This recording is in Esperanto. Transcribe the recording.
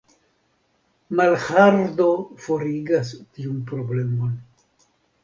Malhardo forigas tiun problemon.